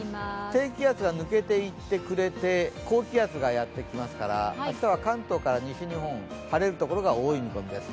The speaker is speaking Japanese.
低気圧が抜けていってくれて高気圧がやってきてくれますから明日は関東から西日本、晴れるところが多い見込みです。